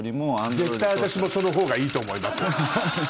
絶対私もその方がいいと思います。